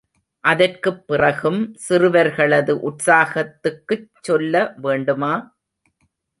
அதற்குப் பிறகும் சிறுவர்களது உற்சாகத்துக்குச் சொல்ல வேண்டுமா?